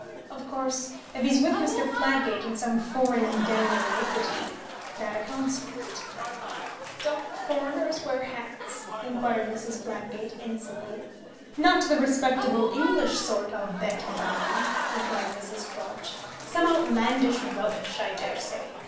Of course, if he's with Mr. Fladgate in some foreign den of iniquity, that accounts for it." "Don't foreigners wear hats?" inquired Mrs. Fladgate, innocently. "Not the respectable English sort, I'll bet bound," replied Mrs. Quelch; "some outlandish rubbish, I dare say.